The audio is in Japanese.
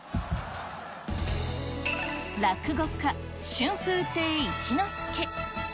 落語家、春風亭一之輔。